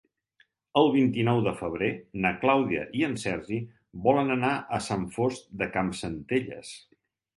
El vint-i-nou de febrer na Clàudia i en Sergi volen anar a Sant Fost de Campsentelles.